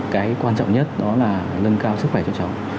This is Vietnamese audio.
cái quan trọng nhất đó là lân cao sức khỏe cho cháu